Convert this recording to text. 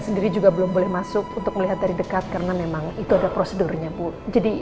sendiri juga belum boleh masuk untuk melihat dari dekat karena memang itu ada prosedurnya bu jadi